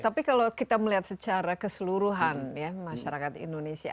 tapi kalau kita melihat secara keseluruhan ya masyarakat indonesia